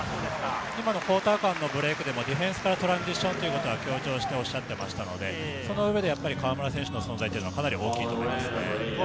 今のクオーター間のブレークでもディフェンスからトランジションを強調しておっしゃっていましたので、その上で河村選手の存在は大きいと思います。